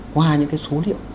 qua những cái số liệu